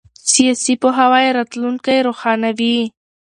سیاسي پوهاوی راتلونکی روښانوي